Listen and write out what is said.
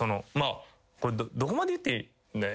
これどこまで言っていい。